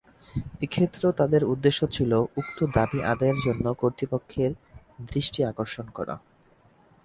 এক্ষেত্রেও তার উদ্দেশ্য ছিলো উক্ত দাবী আদায়ের জন্য কর্তৃপক্ষের দৃষ্টি আকর্ষণ করা।